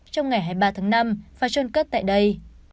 trong ngày hai mươi ba tháng năm và trôn cất tại đây